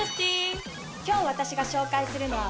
今日私が紹介するのはこちら。